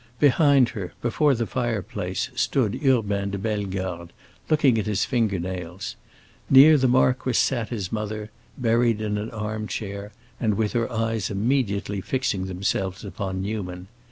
Behind her, before the fire place, stood Urbain de Bellegarde, looking at his finger nails; near the marquis sat his mother, buried in an armchair, and with her eyes immediately fixing themselves upon Newman.